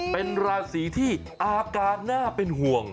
เป็นราศีที่อาการน่าเป็นห่วง